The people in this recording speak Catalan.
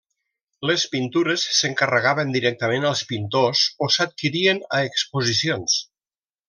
Les pintures s'encarregaven directament als pintors o s'adquirien a exposicions.